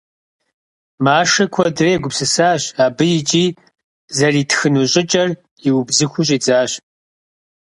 Машэ куэдрэ егупсысащ абы икӏи зэритхыну щӏыкӏэр иубзыхуу щӏидзащ.